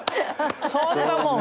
そんなもん。